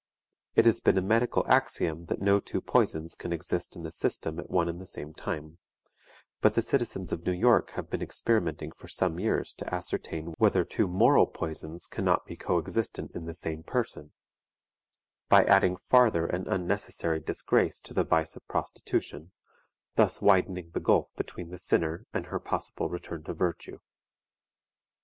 It has been a medical axiom that no two poisons can exist in the system at one and the same time; but the citizens of New York have been experimenting for some years to ascertain whether two moral poisons can not be coexistent in the same person, by adding farther and unnecessary disgrace to the vice of prostitution thus widening the gulf between the sinner and her possible return to virtue.